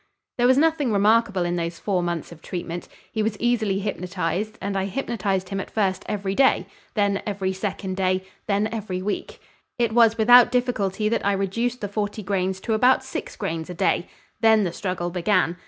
There was nothing remarkable in those four months of treatment. He was easily hypnotized, and I hypnotized him at first every day, then every second day, then every week. It was without difficulty that I reduced the forty grains to about six grains a day. Then the struggle began.